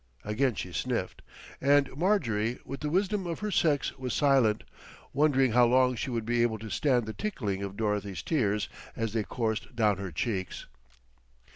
Again she sniffed, and Marjorie with the wisdom of her sex was silent, wondering how long she would be able to stand the tickling of Dorothy's tears as they coursed down her cheeks.